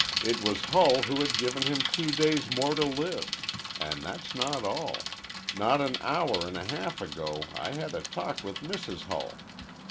It was Hull who had given him two days more to live. And that's not all. Not an hour an' a half ago I had a talk with Mrs. Hull.